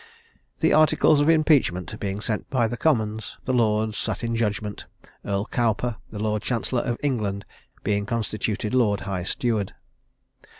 The articles of impeachment being sent by the Commons, the Lords sat in judgment; Earl Cowper, the Lord Chancellor of England, being constituted Lord High Steward.